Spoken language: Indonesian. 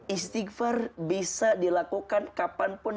istighfar bisa dilakukan kapanpun